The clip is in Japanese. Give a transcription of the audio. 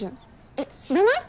えっ知らない？